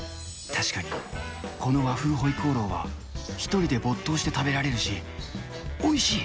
確かにこの和風回鍋肉は１人で没頭して食べられるし、おいしい。